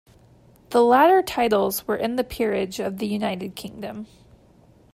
The latter titles were in the Peerage of the United Kingdom.